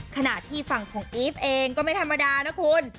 ขณะที่ฝั่งของอีฟเองก็ไม่ธรรมดานะคุณ